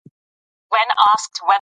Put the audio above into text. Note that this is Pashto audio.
د دغې کیسې اتل یو مېړنی او زړور ځوان دی.